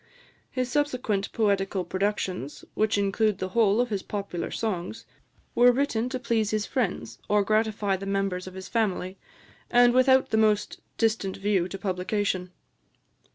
His subsequent poetical productions, which include the whole of his popular songs, were written to please his friends, or gratify the members of his family, and without the most distant view to publication.